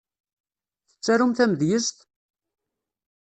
Tettarum tamedyezt?